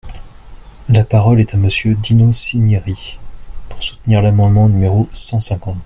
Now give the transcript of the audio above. La parole est à Monsieur Dino Cinieri, pour soutenir l’amendement numéro cent cinquante.